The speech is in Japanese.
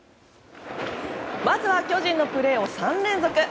まずは巨人のプレーを３連続。